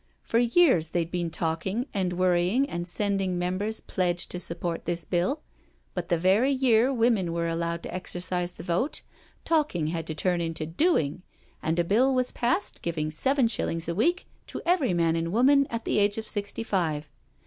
For years they'd been talking and worrying and send ing members pledged to support this Bill, but the very year women were allowed to exercise the vote talking had to turn into doing — and a Bill was passed giving seven shillings a week to every man and woman at the age of sixty five.